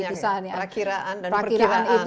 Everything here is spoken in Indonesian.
banyak perakiraan dan perkiraan